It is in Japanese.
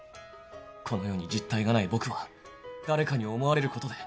この世に実体がない僕は誰かに思われることで